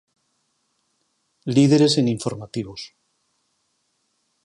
Líderes en informativos.